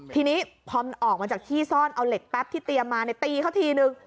ทีนี้พอมันออกมาจากที่ซ่อนเอาเหล็กแป๊บที่เตรียมมาตีเขาทีนึง